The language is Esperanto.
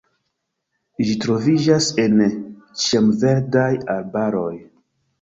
Ĝi troviĝas en ĉiamverdaj arbaroj.